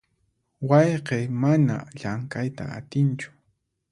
Wayqiy mana llamk'ayta atinchu.